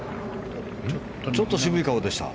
ちょっと渋い顔でした。